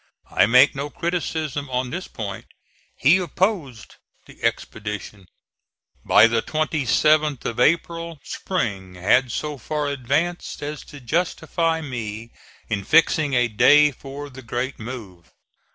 I make no criticism on this point. He opposed the expedition. By the 27th of April spring had so far advanced as to justify me in fixing a day for the great move.